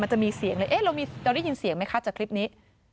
มันจะมีเสียงเลยต้องได้ยินเสียงไหมค่ะจากคลิปนี้